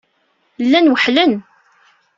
Llan weḥlen.